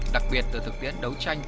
đặc biệt từ thực tiễn đấu tranh